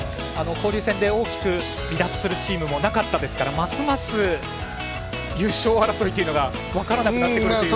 交流戦で大きく離脱するチームもなかったですからますます優勝争いが分からなくなってくるという。